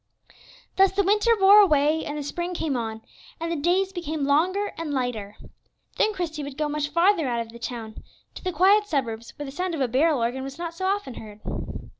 Thus the winter wore away, and the spring came on, and the days became longer and lighter. Then Christie would go much farther out of the town, to the quiet suburbs where the sound of a barrel organ was not so often heard.